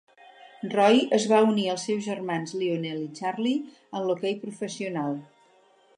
Roy es va unir als seus germans Lionel i Charlie en l'hoquei professional.